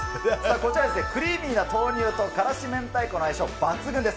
こちら、クリーミーな豆乳とからし明太子の相性抜群です。